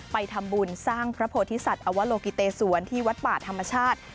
ไปทำบุญสร้างพระโพธิสัตว์อวโลกิเตสวนที่วัดป่าธรรมชาติ